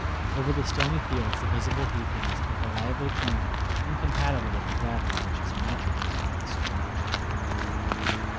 Over the stony fields the visible heat danced with a lively tremor incompatible with the gravity which is an attribute of the supernatural.